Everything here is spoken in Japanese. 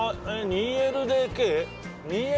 ２ＬＤＫか。